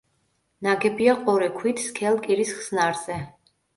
ნაგებია ყორე ქვით-სქელ კირის ხსნარზე.